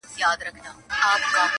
زاړه به ځي نوي نسلونه راځي-